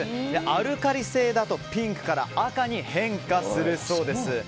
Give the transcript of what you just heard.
アルカリ性だとピンクから赤に変化するそうです。